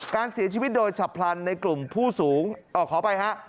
การเสียชีวิตโดยฉับพลันในกลุ่มผู้สูงขออภัยฮะ